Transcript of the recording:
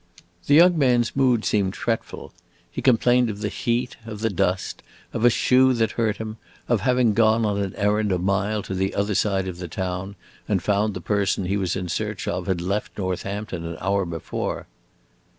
The young man's mood seemed fretful; he complained of the heat, of the dust, of a shoe that hurt him, of having gone on an errand a mile to the other side of the town and found the person he was in search of had left Northampton an hour before.